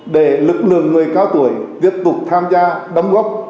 để lực lượng người cao tuổi tiếp tục tham gia đóng góp